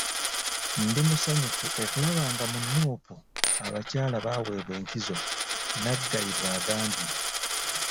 "Ndi musanyufu okulaba nga mu Nuupu abakyala baweebwa enkizo," Naggayi bw'agambye.